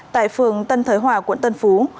tại phường tân thới hòa quận tân phú